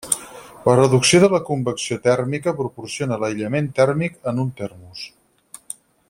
La reducció de la convecció tèrmica proporciona l'aïllament tèrmic en un termos.